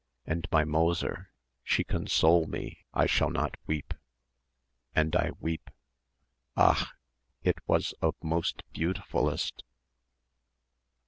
And my mozzer she console me I shall not weep. And I weep. Ach! It was of most beautifullest."